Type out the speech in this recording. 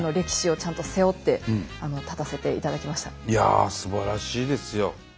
いやあすばらしいですよ。